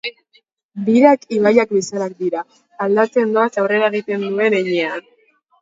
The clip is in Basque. Birak ibaiak bezala dira, aldatzen doaz aurrera egiten duten heinean.